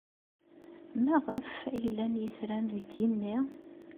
Maɣef ay llan yetran deg yigenni?